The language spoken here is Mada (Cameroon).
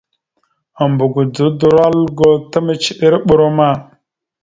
Ambogodzo udoróalgo ta micədere brom a.